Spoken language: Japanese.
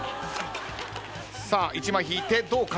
さあ１枚引いてどうか？